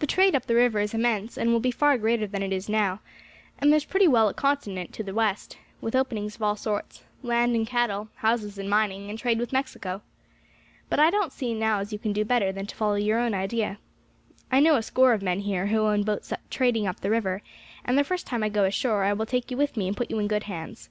The trade up the river is immense, and will be far greater than it is now; and there's pretty well a continent to the west, with openings of all sorts, land and cattle, houses and mining, and trade with Mexico. But I don't see as you can do better than to follow out your own idea. "I know a score of men here who own boats trading up the river, and the first time I go ashore I will take you with me and put you in good hands.